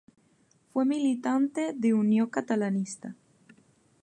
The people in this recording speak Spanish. Fue militante de Unió Catalanista.